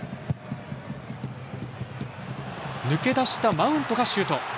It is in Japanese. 抜け出したマウントがシュート。